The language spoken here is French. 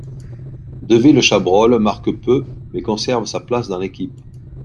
Devillechabrolle marque peu mais conserve sa place dans l'équipe.